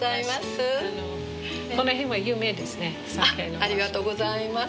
ありがとうございます。